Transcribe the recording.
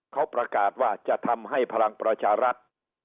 เขาประกาศว่าจะทำให้พลังประชารัฐ